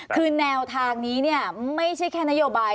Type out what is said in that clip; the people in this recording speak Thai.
คือแนวทางนี้ไม่ใช่แค่นโยบาย